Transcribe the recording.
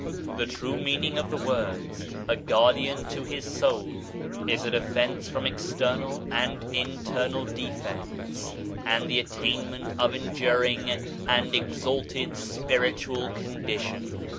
The true meaning of the words "A guardian to his soul" is a defense from external and internal defects, and the attainment of endur ing and exalted spiritual condition.